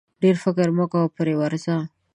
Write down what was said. ډېر فکر مه کوه پر ورځه!